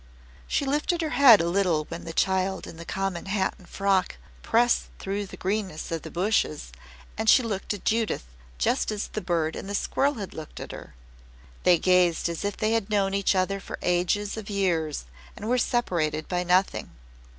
She lifted her head a little when the child in the common hat and frock pressed through the greenness of the bushes and she looked at Judith just as the bird and the squirrel had looked at her. They gazed as if they had known each other for ages of years and were separated by nothing.